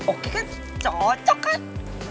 oke kan cocok kan